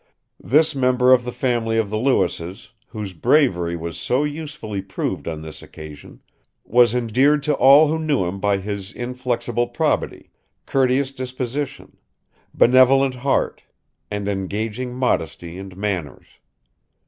This member of the family of the Lewises, whose bravery was so usefully proved on this occasion, was endeared to all who knew him by his inflexible probity, courteous disposition, benevolent heart, and engaging modesty and manners.